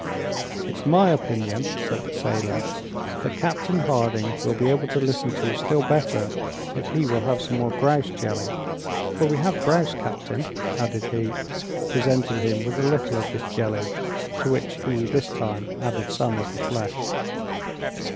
"It's my opinion," said the sailor, "that Captain Harding will be able to listen to you still better, if he will have some more grouse jelly, for we have grouse, captain," added he, presenting him with a little of this jelly, to which he this time added some of the flesh.